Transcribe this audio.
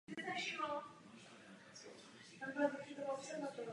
Na svazích se nacházejí balvany a vzácné izolované skalky.